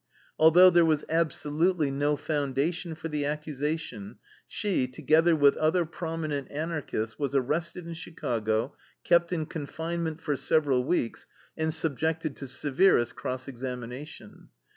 Although there was absolutely no foundation for the accusation, she, together with other prominent Anarchists, was arrested in Chicago, kept in confinement for several weeks, and subjected to severest cross examination.